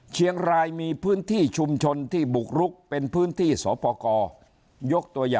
เชียงรายมีพื้นที่ชุมชนที่บุกรุกเป็นพื้นที่สวปกร